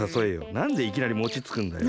なんでいきなり餅つくんだよ。